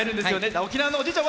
沖縄のおじいちゃん